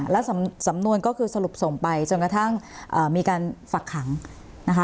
แล้วสำนวนก็คือสรุปส่งไปจนกระทั่งมีการฝักขังนะคะ